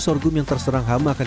sorghum yang terserang hamalkan